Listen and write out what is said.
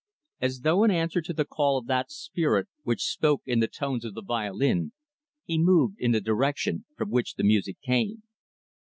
As though in answer to the call of that spirit which spoke in the tones of the violin, he moved in the direction from which the music came.